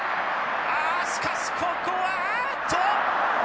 あしかしここはあっと！